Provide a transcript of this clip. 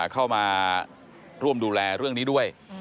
เข้ามาร่วมดูแลเรื่องนี้ด้วย